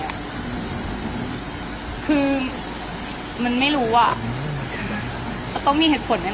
มันเป็นแบบที่สุดท้ายแต่มันเป็นแบบที่สุดท้าย